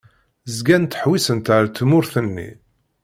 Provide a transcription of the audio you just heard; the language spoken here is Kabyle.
Zgant ttḥewwisent ar tmurt-nni.